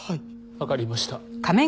わかりました。